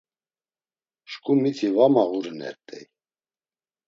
Şǩu miti va mağurinert̆ey.